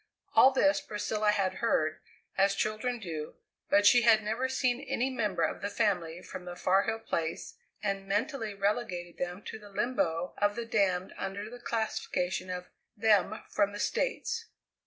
All this Priscilla had heard, as children do, but she had never seen any member of the family from the Far Hill Place, and mentally relegated them to the limbo of the damned under the classification of "them, from the States."